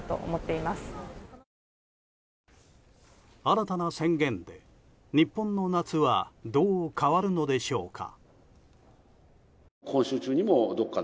新たな宣言で、日本の夏はどう変わるのでしょうか。